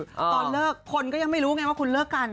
ตอนเลิกคนก็ยังไม่รู้ไงว่าคุณเลิกกัน